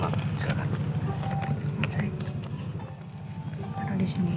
oke taruh di sini ya